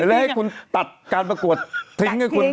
หรือให้คุณตัดการประกวดทิ้ง